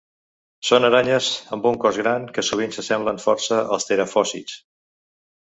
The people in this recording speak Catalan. Són aranyes amb un cos gran que sovint s'assemblen força als terafòsids.